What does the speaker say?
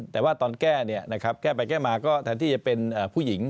แต่ว่าตอนแก้แก้ไปแก้มาก็แทนที่จะเป็นผู้หญิง